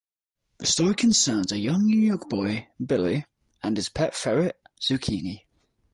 The story concerns a young New York boy, Billy, and his pet ferret, Zucchini.